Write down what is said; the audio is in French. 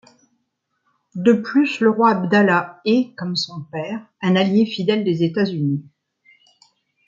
De plus le roi Abdallah est, comme son père, un allié fidèle des États-Unis.